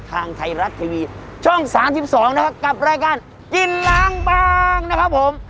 ทางไทยรัฐทีวีช่อง๓๒นะครับกับรายการกินล้างบางนะครับผม